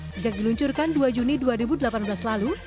sejak diluncurkan dua juni dua ribu delapan belas lalu